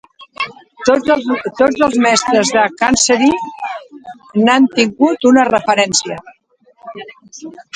Tots els mestres de Chancery n'han tingut una referència.